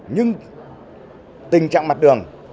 nhưng tình trạng mặt đường